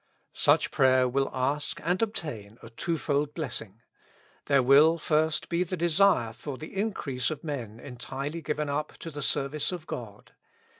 Such prayer will ask and obtain a twofold blessing. There will first be the desire for the increase of men entirely given up to the service of God.